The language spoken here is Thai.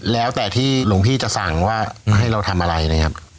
แล้วแต่ที่หลวงพี่จะสั่งว่าให้เราทำอะไรนะครับ